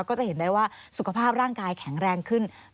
ก็จะเห็นได้ว่าสุขภาพร่างกายแข็งแรงขึ้น